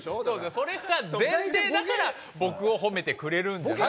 それが前提だから僕を褒めてくれるんじゃないの？